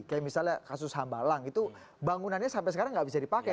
kayak misalnya kasus hambalang itu bangunannya sampai sekarang nggak bisa dipakai